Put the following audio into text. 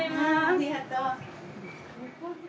ありがとう。